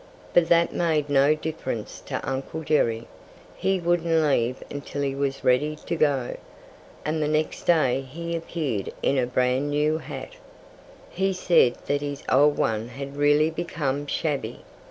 But that made no difference to Uncle Jerry. He wouldn't leave until he was ready to go. And the next day he appeared in a brand new hat. He said that his old one had really become shabby.